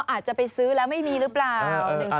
อาจจะไปซื้อแล้วไม่มีหรือเปล่า